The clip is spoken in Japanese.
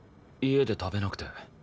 家で食べなくて。